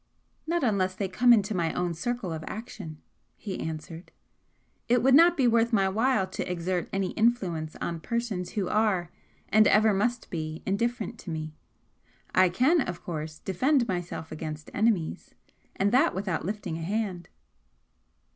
"Not unless they come into my own circle of action," he answered. "It would not be worth my while to exert any influence on persons who are, and ever must be, indifferent to me. I can, of course, defend myself against enemies and that without lifting a hand."